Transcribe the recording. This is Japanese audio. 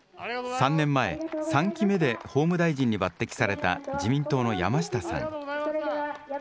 ３年前、３期目で法務大臣に抜てきされた自民党の山下さん。